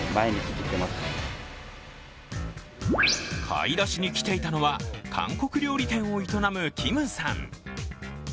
買い出しに来ていたのは韓国料理店を営むキムさん。